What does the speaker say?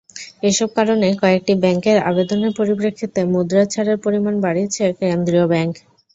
এসব কারণে কয়েকটি ব্যাংকের আবেদনের পরিপ্রেক্ষিতে মুদ্রা ছাড়ের পরিমাণ বাড়িয়েছে কেন্দ্রীয় ব্যাংক।